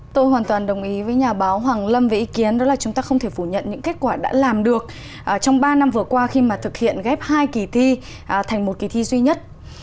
tôi hoàn toàn đồng ý với nhà báo hoàng lâm với ý kiến đó là chúng ta không thể phủ nhận những kết quả đã làm được trong ba năm vừa qua khi mà thực hiện ghép hai kỳ thi thành một kỳ thi duy nhất